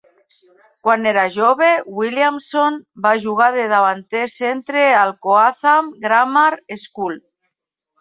Quan era jove, Williamson va jugar de davanter centre al Coatham Grammar School.